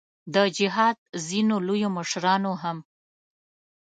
د جهاد ځینو لویو مشرانو هم.